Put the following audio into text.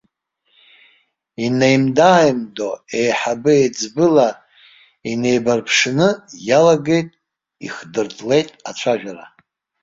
Инеимда-ааимдо, еиҳабы-еиҵбыла инеибарԥшны, иалагеит, ихдыртлеит ацәажәара.